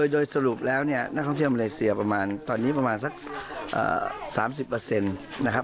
โดยสรุปแล้วเนี่ยนักท่องเที่ยวมาเลเซียประมาณตอนนี้ประมาณสัก๓๐นะครับ